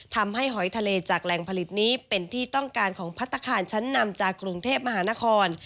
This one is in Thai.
หอยทะเลจากแหล่งผลิตนี้เป็นที่ต้องการของพัฒนาคารชั้นนำจากกรุงเทพมหานคร